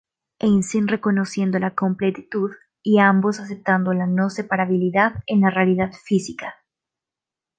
Einstein reconociendo la completitud, y ambos aceptando la no-separabilidad en la realidad física.